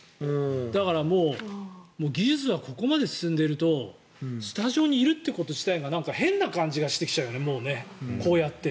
だから、技術はここまで進んでいるとスタジオにいるってこと自体がなんか変な感じがしてきちゃうよね、こうやって。